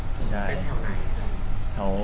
เป็นแถวไหนครับ